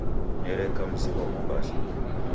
Nereka mzi ghwa Mombasa.